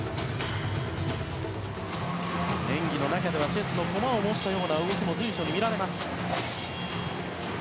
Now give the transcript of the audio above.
演技の中ではチェスの駒を模したよう動きも随所に見られます。